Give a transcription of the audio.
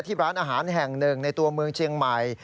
ร้านอาหารแห่งหนึ่งในตัวเมืองเชียงใหม่